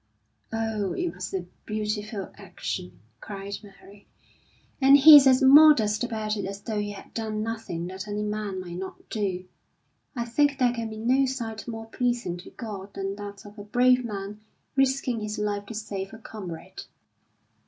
"Oh, it was a beautiful action!" cried Mary. "And he's as modest about it as though he had done nothing that any man might not do. I think there can be no sight more pleasing to God than that of a brave man risking his life to save a comrade."